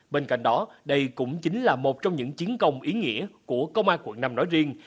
bên cạnh đó đây cũng chính là một trong những chiến công ý nghĩa của công an quận năm nói riêng